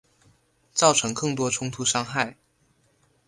造成更多冲突伤害